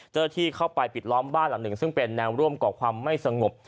เจ้าหน้าที่เข้าไปปิดล้อมบ้านหลังหนึ่งซึ่งเป็นแนวร่วมก่อความไม่สงบ